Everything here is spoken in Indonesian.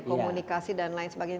komunikasi dan lain sebagainya